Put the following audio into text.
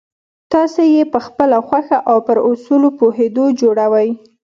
تاسې یې پخپله خوښه او پر اصولو په پوهېدو جوړوئ